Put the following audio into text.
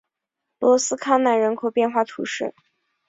博斯康南人口变化图示